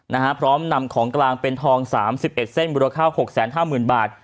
นะฮะพร้อมนำของกลางเป็นทองสามสิบเอ็ดเส้นมูลค่าหกแสนห้าหมื่นบาท